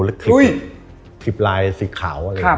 และคลิปลายสีขาว